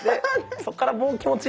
そっからもう気持ち。